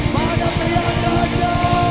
bagaimana senior kecil